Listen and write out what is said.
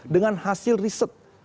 dengan hasil riset